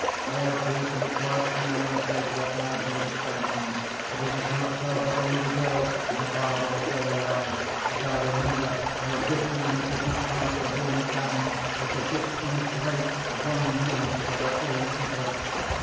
All appears to be quiet now in the place where our village stands; but it was not so very long ago my father was still alive that I remember how a good man could not pass the ruined tavern which a dishonest race had long managed for their own interest.